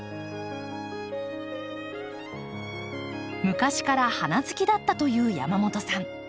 昔から花好きだったという山本さん。